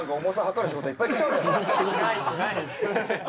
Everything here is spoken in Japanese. ないですないです